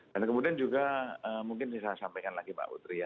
dan kemudian juga mungkin saya sampaikan lagi pak udry ya